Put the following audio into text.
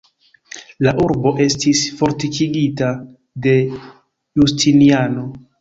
La urbo estis fortikigita de Justiniano.